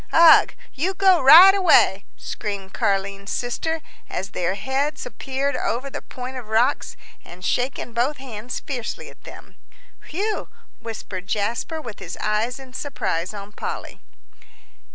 "Ugh you go right away!" screamed Car'line's sister, as their heads appeared over the point of rocks, and shaking both hands fiercely at them. "Whew!" whistled Jasper, with his eyes in surprise on Polly.